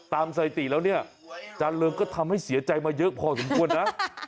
สถิติแล้วเนี่ยอาจารย์เริงก็ทำให้เสียใจมาเยอะพอสมควรนะ